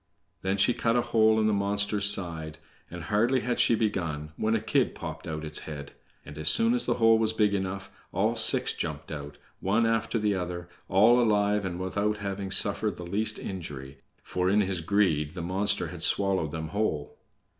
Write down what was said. Then she cut a hole in the monster's side, and, hardly had she begun, when a kid popped out its head, and as soon as the hole was big enough, all six jumped out, one after the other, all alive, and without having suffered the least injury, for, in his greed, the monster had swallowed them whole.